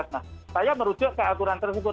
nah saya merujuk ke aturan tersebut